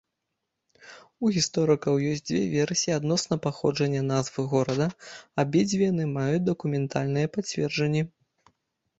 У гісторыкаў ёсць дзве версіі адносна паходжання назвы горада, абедзве яны маюць дакументальныя пацверджанні.